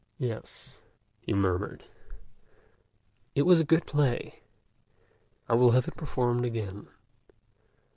"'Yes,' he murmured, 'it was a good play; I will have it performed again.'"